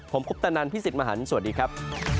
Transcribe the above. ผมคุปตะนันพี่สิทธิ์มหันฯสวัสดีครับ